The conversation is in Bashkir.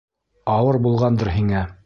Ауыр булғандыр һиңә.